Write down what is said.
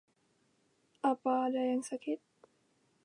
Apa ada yang sakit?